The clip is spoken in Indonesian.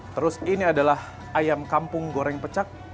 terus ini adalah ayam kampung goreng pecak